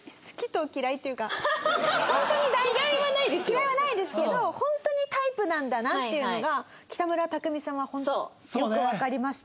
嫌いはないですけど本当にタイプなんだなっていうのが北村匠海さんはよくわかりました。